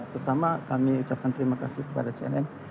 terutama kami ucapkan terima kasih kepada cnn